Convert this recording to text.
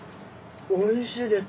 おいしいです。